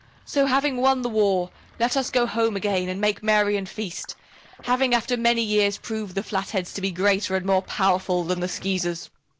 So, having won the war, let us go home again and make merry and feast, having after many years proved the Flatheads to be greater and more powerful than the Skeezers."